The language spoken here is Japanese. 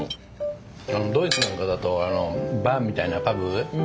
ドイツなんかだとバーみたいなパブ？